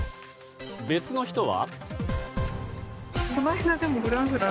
別の人は。